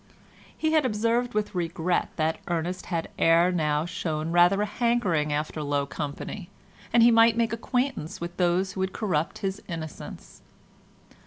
He had observed with regret that Ernest had ere now shown rather a hankering after low company, and he might make acquaintance with those who would corrupt his innocence.